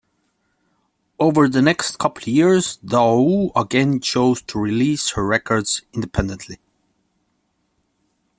Over the next couple years Daou again chose to release her records independently.